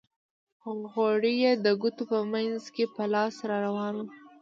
غوړ یې د ګوتو په منځ کې په لاس را روان وو.